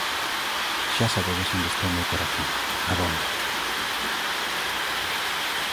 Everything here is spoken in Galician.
"Xa sabedes onde está o meu corazón", abonda.